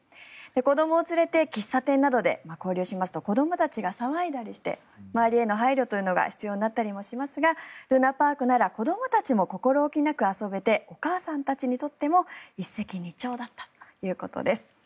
子どもを連れて喫茶店などで交流しますと子どもたちが騒いだりして周りへの配慮というのも必要になったりもしますがるなぱあくなら子どもたちも心置きなく遊べてお母さんたちにとっても一石二鳥だったということです。